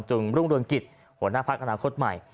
จึงรุงรวงกิจหัวหน้าพักอนาคตใหม่